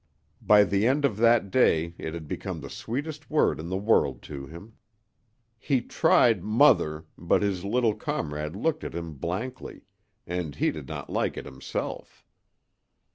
By the end of that day it had become the sweetest word in the world to him. He tried mother, but his little comrade looked at him blankly, and he did not like it himself.